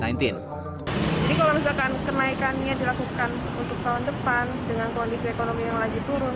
jadi kalau misalkan kenaikannya dilakukan untuk tahun depan dengan kondisi ekonomi yang lagi turun